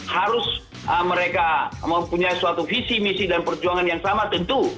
harus mereka mempunyai suatu visi misi dan perjuangan yang sama tentu